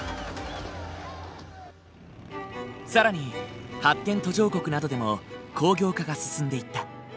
更に発展途上国などでも工業化が進んでいった。